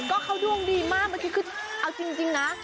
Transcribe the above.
ก็เขาดวงดีมากเมื่อกี้คือเอาจริงนะ